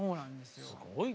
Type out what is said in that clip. すごい。